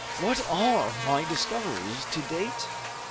What are my discoveries to date?